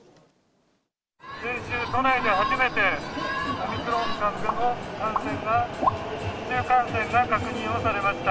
先週、都内で初めてオミクロン株の感染が、市中感染が確認をされました。